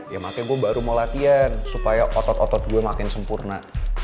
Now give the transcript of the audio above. ya makanya gue baru mau latihan supaya otot otot gue makin sempurna